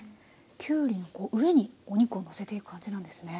きゅうりの上にお肉をのせていく感じなんですね。